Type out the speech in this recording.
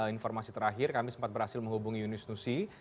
informasi terakhir kami sempat berhasil menghubungi yunis nusi